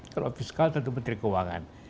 kalau fiskal dan menteri keuangan